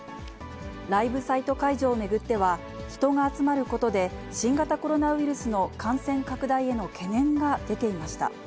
ライブサイト会場を巡っては、人が集まることで、新型コロナウイルスの感染拡大への懸念が出ていました。